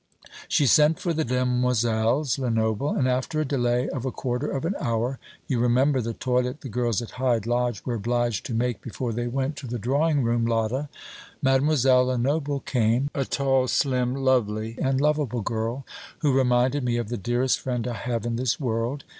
She sent for the demoiselles Lenoble, and after a delay of a quarter of an hour you remember the toilet the girls at Hyde Lodge were obliged to make before they went to the drawing room, Lotta Mademoiselle Lenoble came, a tall, slim, lovely and lovable girl, who reminded me of the dearest friend I have in this world.